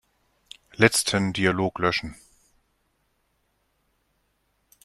Letzten Dialog löschen.